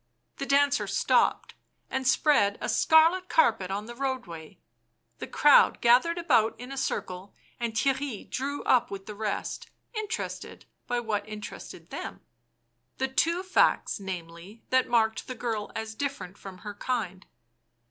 The dancer stopped and spread a scarlet carpet on the roadway ; the crowd gathered about in a circle, and Theirry drew up with the rest, interested by what interested them — the two facts, namely, that marked the girl as different from her kind.